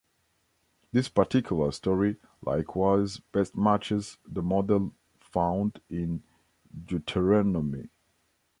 This particular story likewise best matches the model found in Deuteronomy.